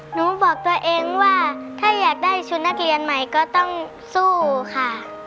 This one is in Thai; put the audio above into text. หนูบอกตัวเองว่าถ้าอยากได้ชุดนักเรียนใหม่ก็ต้องสู้ค่ะ